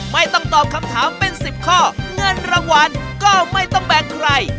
ไม่ต้องตอบคำถามเป็น๑๐ข้อเงินรางวัลก็ไม่ต้องแบ่งใคร